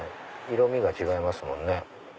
色みが違いますもんね。